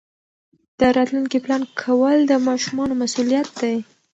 د راتلونکي پلان کول د ماشومانو مسؤلیت دی.